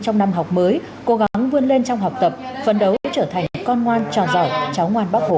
trong năm học mới cố gắng vươn lên trong học tập phấn đấu để trở thành con ngoan chào giỏi cháu ngoan bác hồ